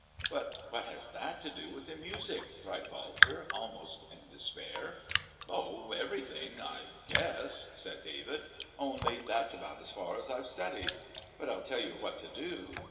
"But what has that to do with the music?" cried Walter, almost in despair. "Oh, everything, I guess!" said David; "only that's about as far as I've studied. But I'll tell you what to do.